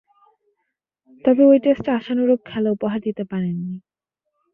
তবে ঐ টেস্টে আশানুরূপ খেলা উপহার দিতে পারেননি।